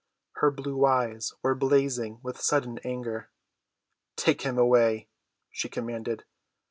Her blue eyes were blazing with sudden anger. "Take him away," she commanded.